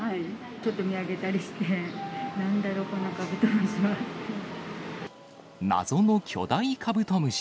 ちょっと見上げたりして、謎の巨大カブトムシ。